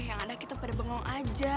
yang ada kita pada bengong aja